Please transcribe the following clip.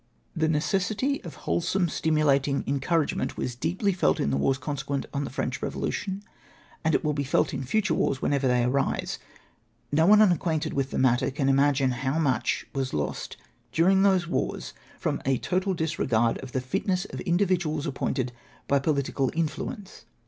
The necessity of wholesome stimulatmg encouragement was deeply felt in the wars consecjuent on the French Eevolution, and it will be felt in future wars whenever they arise. No one unacquainted with the matter can imagme how much was lost during those wars from a total disregard of the fitness of individuals appointed by political influence.